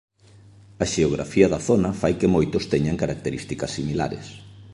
A xeografía da zona fai que moitos teñan características similares.